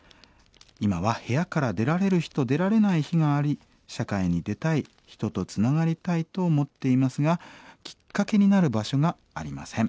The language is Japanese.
今は部屋から出られる日と出られない日があり社会に出たい人とつながりたいと思っていますがきっかけになる場所がありません。